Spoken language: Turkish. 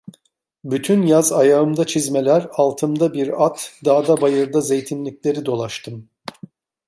Bütün yaz, ayağımda çizmeler, altımda bir at, dağda bayırda zeytinlikleri dolaştım.